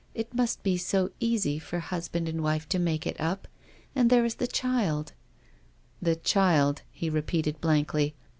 " It must be so easy for husband and wife to make it up. And there is the child " "The child," he repeated blankly.